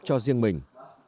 cho riêng mình